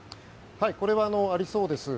これはありそうです。